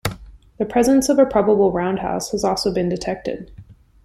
The presence of a probable roundhouse has also been detected.